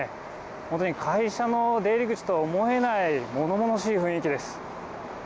本当に会社の出入り口とは思えない、ものものしい雰囲気です。